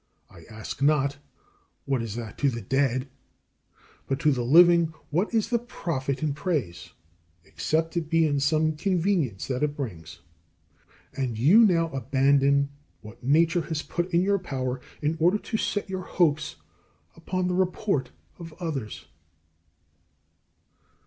I ask not, what is that to the dead? But to the living what is the profit in praise, except it be in some convenience that it brings? And you now abandon what nature has put in your power in order to set your hopes upon the report of others.